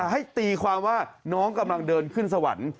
ให้ตีความว่าน้องกำลังเดินขึ้นสวรรค์